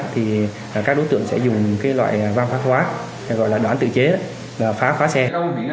thì các đối tượng sẽ dùng loại vang phát hóa gọi là đoán tự chế phá khóa xe